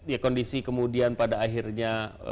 ya kondisi kemudian pada akhirnya